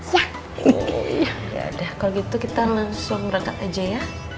ya udah kalau gitu kita langsung berangkat aja ya